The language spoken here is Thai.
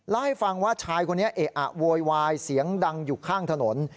เล่าให้ฟังว่าชายคนนี้เอะอะโวยวายเสียงดังอยู่ข้างถนน